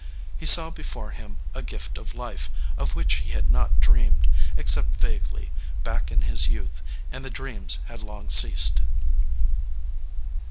He saw before him a gift of life of which he had not dreamed, except vaguely, back in his youth, and the dreams had long ceased.